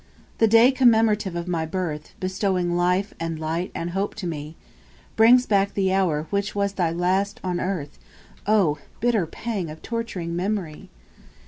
2. The day commemorative of my birth, Bestowing life, and light, and hope to me, Brings back the hour which was thy last on earth. O! bitter pang of torturing memory!